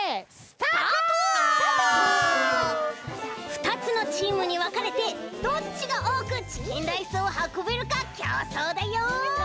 ２つのチームにわかれてどっちがおおくチキンライスをはこべるかきょうそうだよ！